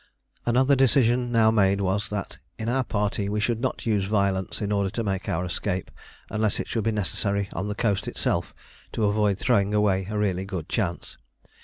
Another decision now made was that in our party we should not use violence in order to make our escape, unless it should be necessary on the coast itself to avoid throwing away a really good chance.